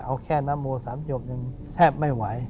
เอาแค่น้ำโม๓จบยังแทบไม่ไหว